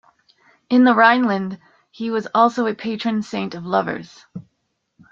In the Rhineland, he was also a patron saint of lovers.